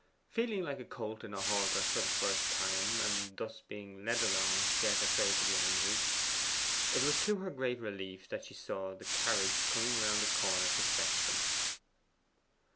Feeling like a colt in a halter for the first time, at thus being led along, yet afraid to be angry, it was to her great relief that she saw the carriage coming round the corner to fetch them.